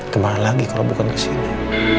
kembali lagi kalo bukan kesini